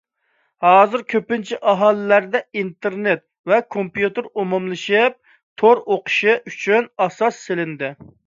ھازىر كۆپىنچە ئائىلىلەردە ئىنتېرنېت ۋە كومپيۇتېر ئومۇملىشىپ، تور ئوقۇتۇشى ئۈچۈن ئاساس سېلىندى.